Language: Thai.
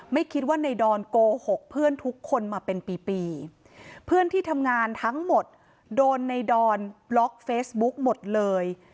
ไม่คิดว่าในดอนโกหกเพื่อนทุกคนมาเป็นปีปีเพื่อนที่ทำงานทั้งหมดโดนในดอนบล็อกเฟซบุ๊กหมดเลย